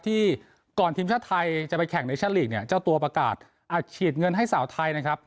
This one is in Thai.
ก่อนทีมชาติไทยจะไปแข่งในชั่นลีกเนี่ยเจ้าตัวประกาศอัดฉีดเงินให้สาวไทยนะครับ